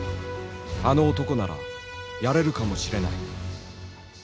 「あの男ならやれるかもしれない」。